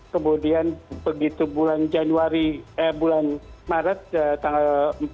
kemudian begitu bulan januari eh bulan maret tanggal empat